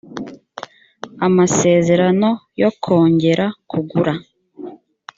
amasezerano yo kongera kugura